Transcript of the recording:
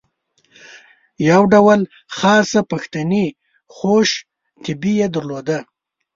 یو ډول خاصه پښتني خوش طبعي یې درلوده.